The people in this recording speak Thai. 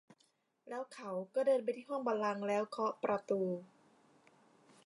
แล้วเขาก็เดินไปที่ห้องบัลลังก์แล้วเคาะประตู